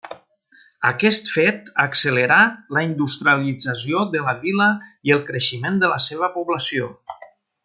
Aquest fet accelerà la industrialització de la vila i el creixement de la seva població.